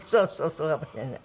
そうかもしれない。